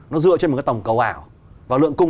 nó dựa trên một cái tổng cầu ảo và lượng cung